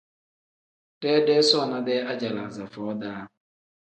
Deedee soona-dee ajalaaza foo -daa.